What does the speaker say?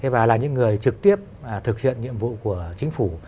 và là những người trực tiếp thực hiện nhiệm vụ của chính phủ